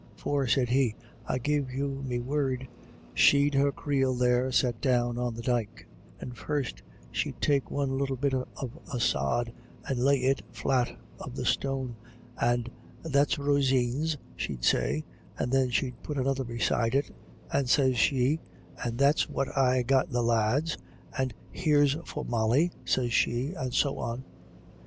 " For," said he, " I give you me word, she'd her creel there set down on the dyke, and first she'd take one little bit of a sod, and lay it on the flat of the stone, and ' That's Roseen's ' she'd say, and then she'd put another beside it, and sez she :* and that's what I got the lads — and here's for Molly,' sez she, and so on.